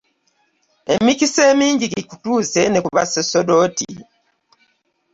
Emikisa emingi gikutuuse ne ku busaserdooti.